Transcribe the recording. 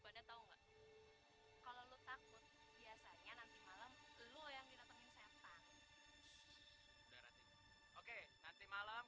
nanti kemburu malam